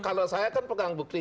kalau saya kan pegang bukti